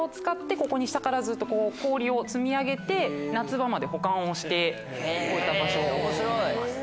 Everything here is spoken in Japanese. ここに下から氷を積み上げて夏場まで保管をしておいた場所になります。